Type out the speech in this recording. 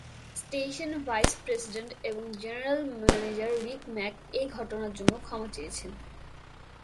Station vice president এবং general manager Rick Mack এই ঘটনার জন্য ক্ষমা চেয়েছেন।